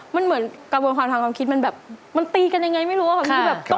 มันเหมือนกระบวนความความคิดมันตีกันอย่างไรไม่รู้อ่ะครับ